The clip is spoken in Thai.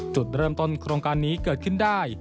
จุดเริ่มต้นโครงการนี้เกิดขึ้นได้